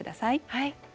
はい。